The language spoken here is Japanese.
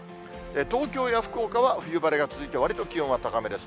東京や福岡は冬晴れが続いて、わりと気温が高めです。